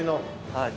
はい。